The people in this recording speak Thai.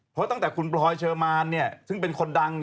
เพราะตั้งแต่คุณพลอยเชอร์มานซึ่งเป็นคนดัง